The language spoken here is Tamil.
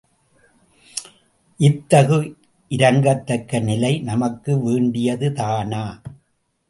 இத்தகு இரங்கத்தக்க நிலை நமக்கு வேண்டியதுதானா?